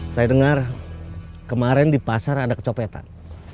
saya dengar kemarin di pasar ada kecopetan